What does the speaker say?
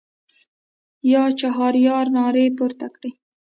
یا چهاریار نارې پورته کړې.